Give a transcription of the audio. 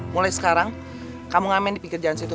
mulai sekarang kamu ngamen di pinggir jalan situ